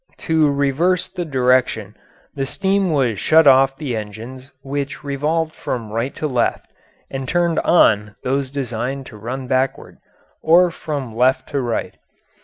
To reverse the direction, the steam was shut off the engines which revolved from right to left and turned on those designed to run backward, or from left to right.